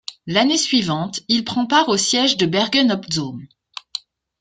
L'année suivante, il prend part au Siège de Bergen-op-Zoom.